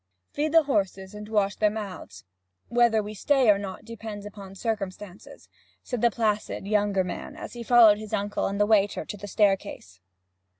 'Feed the horses and wash their mouths. Whether we stay or not depends upon circumstances,' said the placid younger man, as he followed his uncle and the waiter to the staircase.